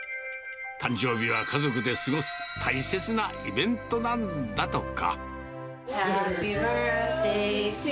誕生日は家族で過ごす大切なイベントなんだとか。